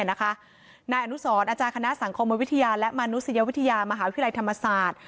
นายอนุสรอาจารย์คณะสังคมวิทยาและมนุษยวิทยามหาวิทยาลัยธรรมศาสตร์